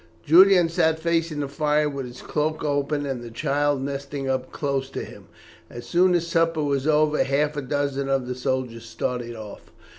Julian sat facing the fire with his cloak open and the child nestling up close to him. As soon as supper was over half a dozen of the soldiers started off.